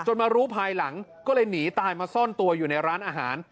มารู้ภายหลังก็เลยหนีตายมาซ่อนตัวอยู่ในร้านอาหาร